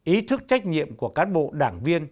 ý thức trách nhiệm của cán bộ đảng viên